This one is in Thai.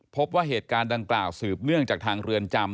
พบว่าเหตุการณ์ดังกล่าวสืบเนื่องจากทางเรือนจำ